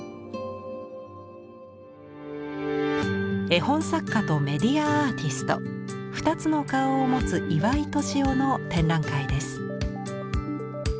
絵本作家とメディアアーティスト２つの顔を持つ岩井俊雄の展覧会です。